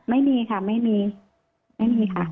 ไม่มีค่ะไม่มีไม่มีค่ะ